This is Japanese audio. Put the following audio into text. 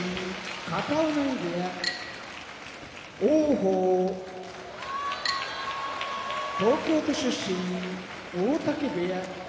片男波部屋王鵬東京都出身大嶽部屋